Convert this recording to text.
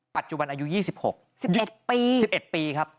ปัจจุบันอายุ๒๖๑ปี๑๑ปีครับ